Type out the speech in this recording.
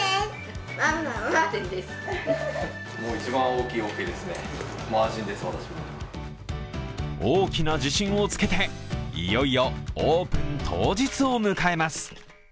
大きな自信をつけていよいよオープン当日を迎えます。